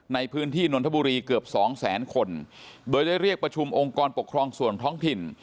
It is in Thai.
ในพื้นที่นนทบุรีเกือบสองแสนคนโดยได้เรียกประชุมองค์กรปกครองส่วนท้องถิ่น